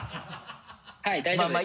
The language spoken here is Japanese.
はい大丈夫です。